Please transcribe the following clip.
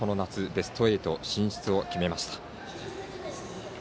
ベスト８進出を決めました。